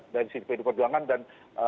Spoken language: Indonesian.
dari sisi pd perjuangan dan